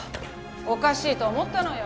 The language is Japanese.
おかしいと思ったのよ